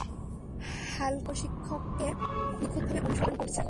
Hulk তার প্রশিক্ষককে নিখুঁতভাবে অনুসরণ করছে।